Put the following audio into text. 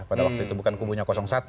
pada waktu itu bukan kubunya satu